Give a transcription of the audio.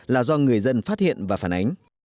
là do người dân phát hiện và phản ánh